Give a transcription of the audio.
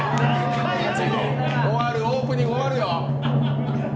オープニング終わるよ！